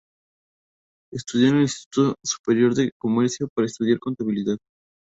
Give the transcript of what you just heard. Ingresó en el Instituto Superior de Comercio para estudiar Contabilidad.